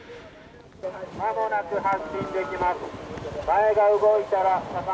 間もなく発進できます。